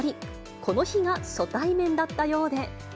この日が初対面だったようで。